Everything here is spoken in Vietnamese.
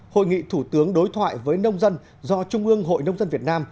hội nghị thủ tướng đối thoại với nông dân do trung ương hội nông dân việt nam